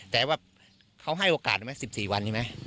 แต่ว่าเขาให้โอกาส๑๔วัน